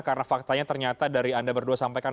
karena faktanya ternyata dari anda berdua sampaikan